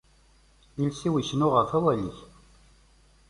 Iles-iw icennu ɣef wawal-ik.